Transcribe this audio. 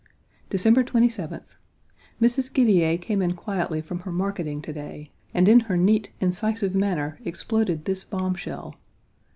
December 27th. Mrs. Gidiere came in quietly from her marketing to day, and in her neat, incisive manner exploded this bombshell